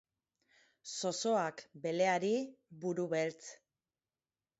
Zozoak beleari: Burubeltz